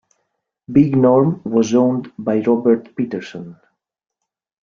Big Norm was owned by Robert Peterson.